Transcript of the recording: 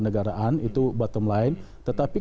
negaraan itu bottom line tetapi